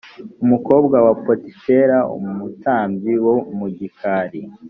umukobwa wa potifera umutambyi wo mu gikari